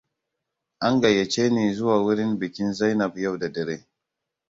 An gayyace ni zuwa wurin bikin Zainab yau da dare.